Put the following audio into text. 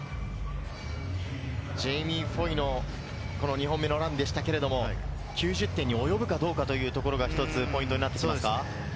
ジェイミー・フォイの２本目のランでしたけれども、９０点に及ぶかどうかというところが一つポイントになってきますか？